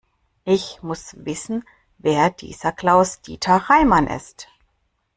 Ich muss wissen, wer dieser Klaus-Dieter Reimann ist.